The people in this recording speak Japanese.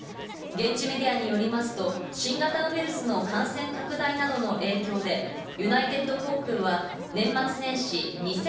現地メディアによりますと、新型ウイルスの感染拡大などの影響で、ユナイテッド航空は年末年始、２８００